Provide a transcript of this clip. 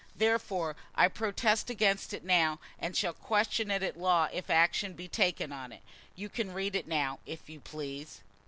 Therefore I protest against it now, and shall question it at law if action be taken on it. You can read it now, if you please."